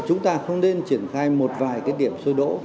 chúng ta không nên triển khai một vài cái điểm sôi đỗ